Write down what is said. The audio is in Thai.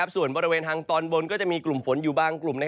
ส่วนบริเวณทางตอนบนก็จะมีกลุ่มฝนอยู่บางกลุ่ม